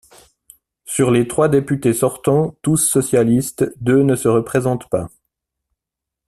Sur les trois députés sortants, tous socialistes, deux ne se représentent pas.